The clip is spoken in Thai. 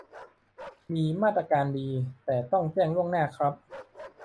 มีมาตรการดี แต่ต้องแจ้งล่วงหน้าครับ